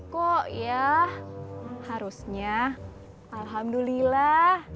kok yah harusnya alhamdulillah